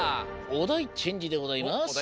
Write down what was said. おだいチェンジでございます。